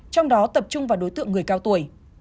trong đó tập trung vào đối tượng người cao tuổi